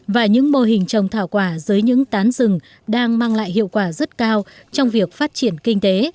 và những mô hình trồng thảo quả dưới những tán rừng đang mang lại hiệu quả rất cao trong việc phát triển kinh tế